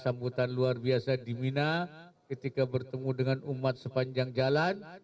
sambutan luar biasa di mina ketika bertemu dengan umat sepanjang jalan